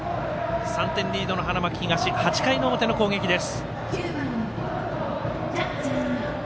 ３点リードの花巻東８回の表の攻撃です。